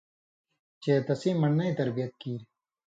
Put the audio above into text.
چے تسیں من٘ڑنَیں تربیت کېر